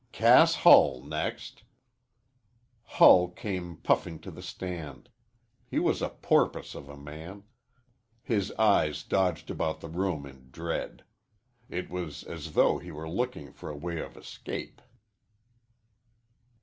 "Cass Hull next." Hull came puffing to the stand. He was a porpoise of a man. His eyes dodged about the room in dread. It was as though he were looking for a way of escape.